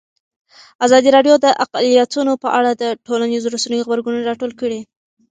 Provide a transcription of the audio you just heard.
ازادي راډیو د اقلیتونه په اړه د ټولنیزو رسنیو غبرګونونه راټول کړي.